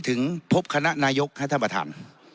ถึงพบคณนายกฮัตธบาธาร์